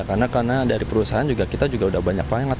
karena dari perusahaan juga kita udah banyak banget potongan